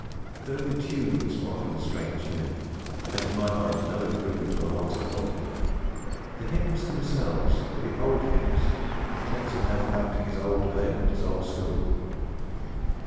Though the tunes were often strange to me, and to my mind no improvement on the ones I wanted, the hymns themselves were the old hymns that take a man back to his old home and his old school.